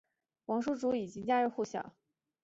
王仲殊已经家喻户晓。